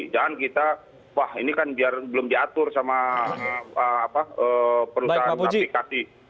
jangan kita wah ini kan biar belum diatur sama perusahaan aplikasi